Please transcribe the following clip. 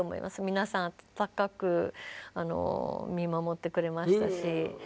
皆さん暖かく見守ってくれましたし。